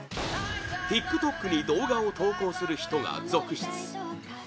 ＴｉｋＴｏｋに動画を投稿する人が続出